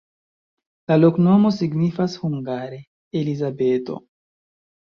La loknomo signifas hungare: Elizabeto.